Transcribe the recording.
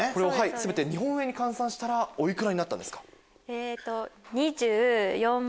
全て日本円に換算したらお幾らになったんですか？